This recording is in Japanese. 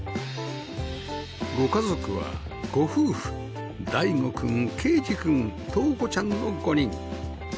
ご家族はご夫婦大湖くん渓史くん橙子ちゃんの５人